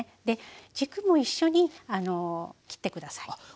で軸も一緒に切って下さい。